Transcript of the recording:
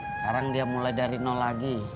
sekarang dia mulai dari nol lagi